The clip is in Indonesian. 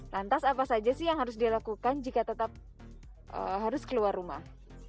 lantas apa saja sih yang harus dilakukan jika tetap harus keluar rumah